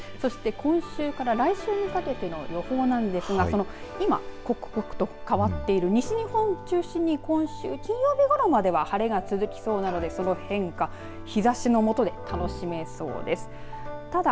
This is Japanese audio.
今週から来週にかけての予報なんですが今刻々と変わっている西日本を中心に今週金曜日ごろまでは晴れが続きそうなので、その変化日ざしのもとで楽しめそうです。